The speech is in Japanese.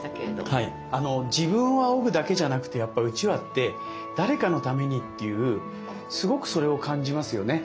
自分をあおぐだけじゃなくてやっぱうちわって誰かのためにっていうすごくそれを感じますよね。